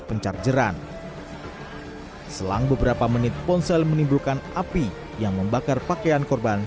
pencarian selang beberapa menit ponsel menimbulkan api yang membakar pakaian korban